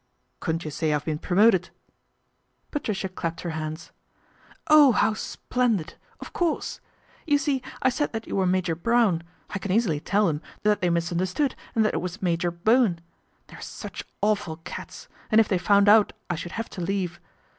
" Couldn't you say I've been promoted ?" Patricia clapped her hands. " Oh ! how splen did ! Of course ! You see I said that you were Major Brown, I can easily tell them that they misunderstood and that it was Major Bowen. They are such awful cats, and if they found out I should have to leave.